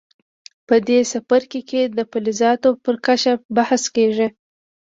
په دې څپرکي کې د فلزاتو پر کشف بحث کیږي.